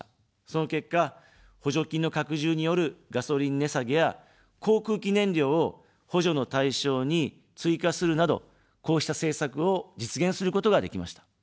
その結果、補助金の拡充によるガソリン値下げや航空機燃料を補助の対象に追加するなど、こうした政策を実現することができました。